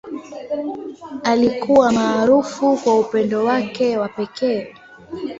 Alikuwa maarufu kwa upendo wake wa pekee.